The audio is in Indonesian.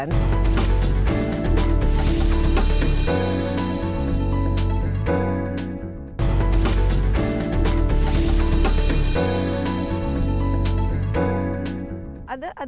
pelestarian dan pelayanan